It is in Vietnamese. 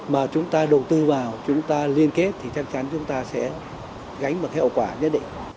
mà chúng ta đầu tư vào chúng ta liên kết thì chắc chắn chúng ta sẽ gánh một cái hậu quả nhất định